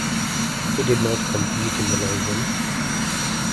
He did not compete in the long jump.